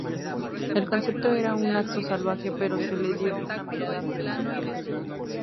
El concepto era un acto salvaje, pero se le dio una mirada filosófica.